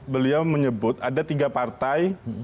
beliau menyebut ada tiga partai